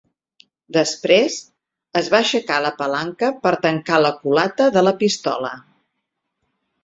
Després, es va aixecar la palanca per tancar la culata de la pistola.